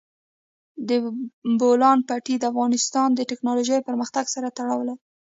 د بولان پټي د افغانستان د تکنالوژۍ پرمختګ سره تړاو لري.